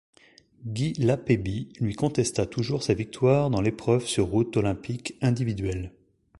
Guy Lapébie lui contesta toujours sa victoire dans l'épreuve sur route olympique individuelle.